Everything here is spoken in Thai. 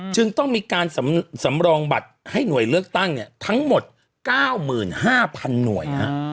จึงต้องมีการสำรองบัตรให้หน่วยเลือกตั้งทั้งหมด๙๕๐๐๐หน่วย